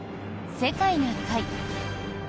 「世界な会」。